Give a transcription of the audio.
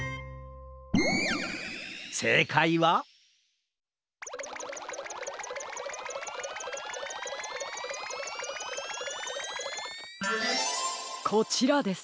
せいかいはこちらです。